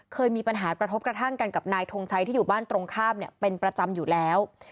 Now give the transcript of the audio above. เคยมีปัญหากระทบกระทั่งกันกับนายทงชัยที่อยู่บ้านตรงข้ามเป็นประจำอยู่แล้ว